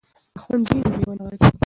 که خوند وي نو مېوه نه غلطیږي.